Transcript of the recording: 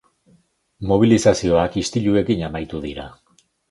Mobilizazioak istiluekin amaitu dira.